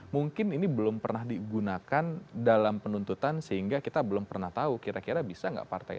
mungkin ini belum pernah digunakan dalam penuntutan sehingga kita belum pernah tahu kira kira bisa nggak partai